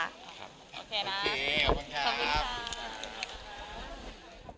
โอเคนะขอบคุณครับ